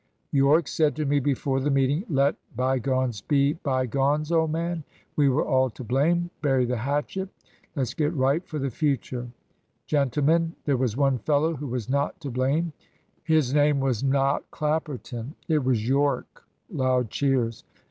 Yorke said to me before the meeting, `Let bygones be bygones, old man we were all to blame bury the hatchet let's get right for the future.' Gentlemen, there was one fellow who was not to blame. His name was not Clapperton. It was Yorke." (Loud cheers.)